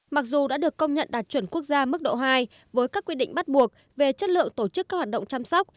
mặc dù đã được công nhận đạt chuẩn quốc gia mức độ hai với các quy định bắt buộc về chất lượng tổ chức các hoạt động chăm sóc